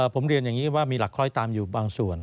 ผมเรียนอย่างนี้ว่ามีหลักคอยตามอยู่บางส่วน